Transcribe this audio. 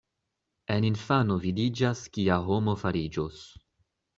En infano vidiĝas, kia homo fariĝos.